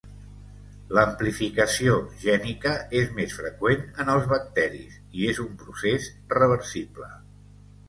L'amplificació gènica és més freqüent en els bacteris i és un procés reversible.